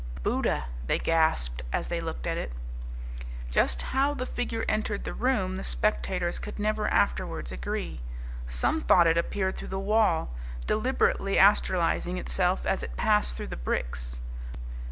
"Buddha!" they gasped as they looked at it. Just how the figure entered the room, the spectators could never afterwards agree. Some thought it appeared through the wall, deliberately astralizing itself as it passed through the bricks.